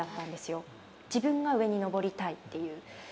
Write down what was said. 自分が上に登りたいっていう。